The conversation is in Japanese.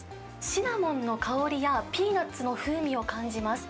シナモンの香りやピーナツの風味を感じます。